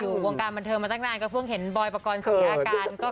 อยู่กับวงการบันเทิงมาตั้งนานก็เพิ่งเห็นบอยประกอบเสียอาการ